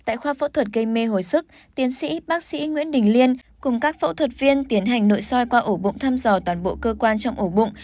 tại khoa phẫu thuật gây mê hồi sức tiến sĩ bác sĩ nguyễn đình liên cùng các phẫu thuật viên tiến hành nội soi qua ổ bụng thăm dò toàn bộ cơ quan trong ổ bụng